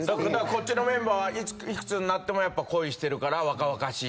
こっちのメンバーは幾つになっても恋してるから若々しい。